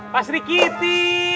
pak sri kiti